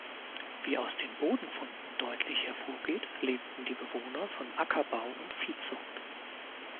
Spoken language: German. Wie aus den Bodenfunden deutlich hervorgeht, lebten die Bewohner von Ackerbau und Viehzucht.